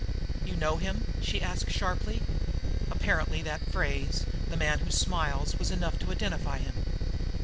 "You know him?" she asked sharply. Apparently that phrase, "the man who smiles," was enough to identify him.